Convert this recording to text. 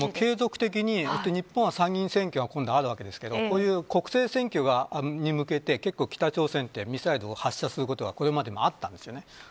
これは継続的に日本は参議院選挙が今度あるわけですがこういう国政選挙に向けて結構北朝鮮はミサイルを発射することがこれまでもあったんです。